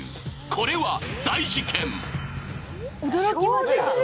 これは大事ケン！